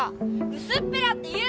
「うすっぺら」って言うな！